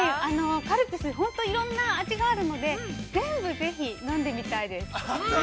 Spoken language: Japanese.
◆カルピス、本当にいろんな味があるので、全部ぜひ、飲んでみたいです。